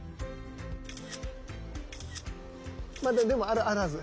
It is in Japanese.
まだでもあるはず。